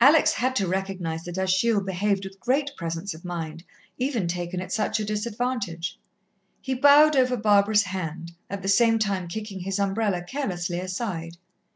Alex had to recognize that Achille behaved with great presence of mind, even taken at such a disadvantage. He bowed over Barbara's hand, at the same time kicking his umbrella carelessly aside.